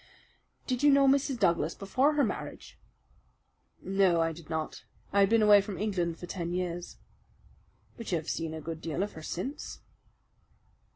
"Did you know Mrs. Douglas before her marriage?" "No, I did not. I had been away from England for ten years." "But you have seen a good deal of her since."